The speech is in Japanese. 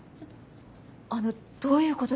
あのどういうことですか？